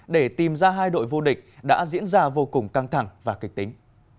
để tìm ra hai đội vô địch đã diễn ra vô cùng căng thẳng và kịch tính